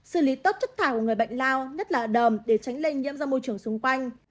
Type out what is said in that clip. xử lý tốt chất thải của người bệnh lao nhất là đòm để tránh lây nhiễm ra môi trường xung quanh